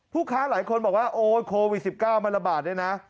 ค้าหลายคนบอกว่าโอ๊ยโควิด๑๙มันระบาดด้วยนะ